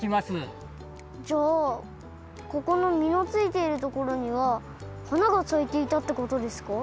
じゃあここのみのついているところにははながさいていたってことですか？